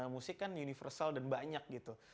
musik kan universal dan banyak gitu